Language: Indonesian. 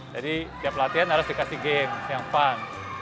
jadi tiap latihan harus dikasih game yang fun